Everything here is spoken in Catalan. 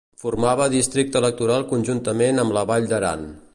Formava districte electoral conjuntament amb la Vall d'Aran.